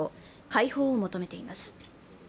解放を求めています。